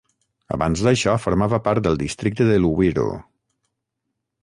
Abans d'això, formava part del districte de Luweero.